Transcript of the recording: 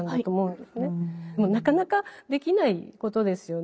でもなかなかできないことですよね。